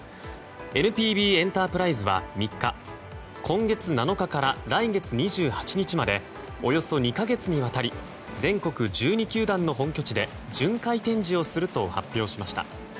ＮＰＢエンタープライズは３日今月７日から来月２８日までおよそ２か月にわたり全国１２球団の本拠地で巡回展示をすると発表しました。